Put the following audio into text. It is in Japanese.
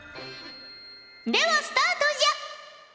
ではスタートじゃ！